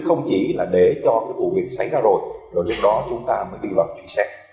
không chỉ để cho vụ việc xảy ra rồi rồi lần đó chúng ta mới đi vào truy sát